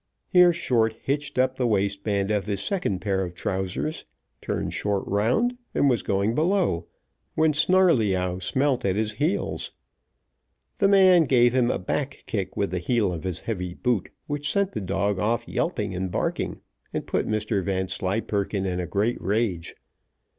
Here Short hitched up the waistband of his second pair of trousers, turned short round, and was going below, when Snarleyyow smelt at his heels. The man gave him a back kick with the heel of his heavy boot, which sent the dog off yelping and barking, and put Mr Vanslyperken in a great rage.